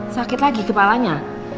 sakit lagi kepalanya